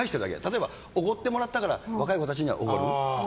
例えば、おごってもらったから若い子たちにはおごる。